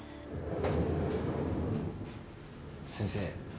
先生。